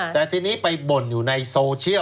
แต่ทีนี้ไปบ่นอยู่ในโซเชียล